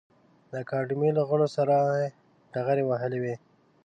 د اکاډمۍ له غړو سره یې ډغرې وهلې وې.